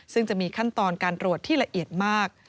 ซึ่งจะมีขั้นตอนการตรวจที่ละเอียดมาก